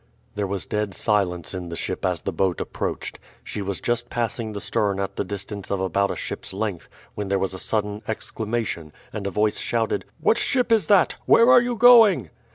There was dead silence in the ship as the boat approached. She was just passing the stern at the distance of about a ship's length, when there was a sudden exclamation, and a voice shouted, "What ship is that? Where are you going?"